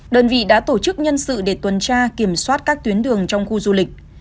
đơn vị đã tổ chức nhân sự để tuần tra kiểm soát các tuyến đường trong khu du lịch